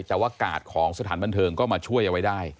แต่ว่ากาดของสถานบันเทิงก็มาช่วยเอาไว้ได้